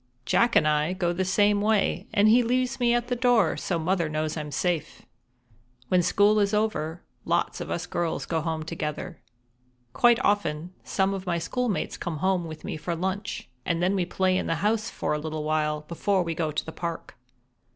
Jack and I go the same way, and he leaves me at the door, so Mother knows I'm safe. When school is over, lots of us girls go home together. Quite often some of my schoolmates come home with me for lunch, and then we play in the house for a little while before we go to the park.